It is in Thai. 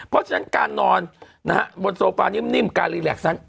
เพราะฉะนั้นการนอนบนโซฟานิ่มการรีแลกนั้น